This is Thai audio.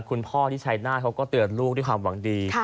คุณพ่อที่ชัยหน้าเขาก็เตือนลูกด้วยความหวังดี